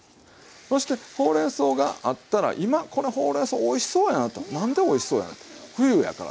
そしてほうれんそうがあったら今このほうれんそうおいしそうやなとなんでおいしそうやねんて冬やからですねっ。